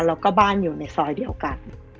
แล้วก็บ้านอยู่ในซอยเดียวกัน